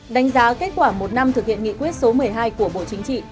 đánh giá kết quả một năm thực hiện nghị quyết số một mươi hai của bộ chính trị